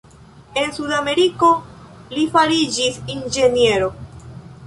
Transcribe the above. En Sudameriko li fariĝis inĝeniero.